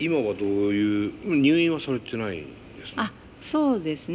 そうですね。